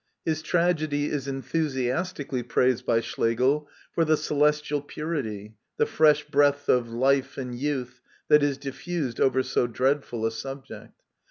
His tragedy is enthusiastically praised by Schlegel for " the celestial purity, the fresh breath of life and ^ youth, that is difiFused over so dreadful a subject."